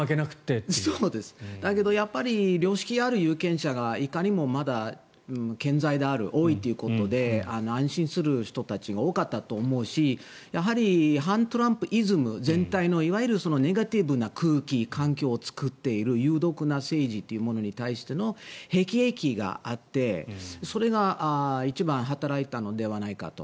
だけどやっぱり良識のある有権者がいかにもまだ健在である多いということで安心する人たちが多かったと思うしやはり反トランプイズム全体のいわゆるネガティブな空気環境を作っている有毒な政治というものに対してのへきえきがあってそれが一番働いたのではないかと。